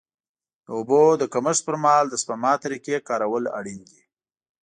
د اوبو د کمښت پر مهال د سپما طریقې کارول اړین دي.